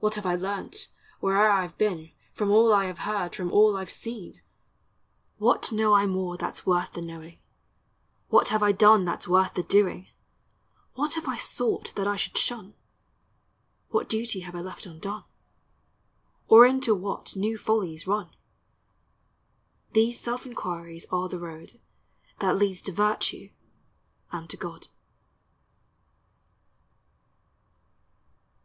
What have I learnt, where'er I 've been, From all I have heard, from all I 've seen? What know I more that 's worth the knowing? What have I done that 's worth the doing? What have I sought that I should shun? What duty have I left undone ? Or into what new follies run? These self inquiries are the road That leads to virtue and to God.